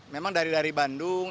memang dari bandung